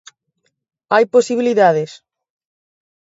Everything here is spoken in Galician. Hai posibilidades.